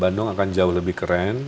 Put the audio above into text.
bandung akan jauh lebih keren